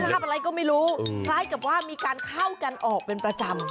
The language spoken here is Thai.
ภาพอะไรก็ไม่รู้คล้ายกับว่ามีการเข้ากันออกเป็นประจำ